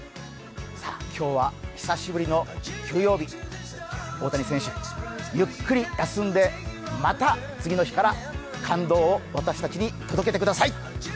今日は久しぶりの休養日、大谷選手、ゆっくり休んでまた次の日から感動を私たちに届けてください。